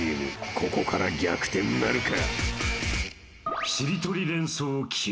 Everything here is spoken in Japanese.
［ここから逆転なるか？］